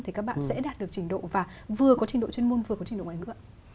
thì các bạn sẽ đạt được trình độ và vừa có trình độ chuyên môn vừa có trình độ ngoại ngữ ạ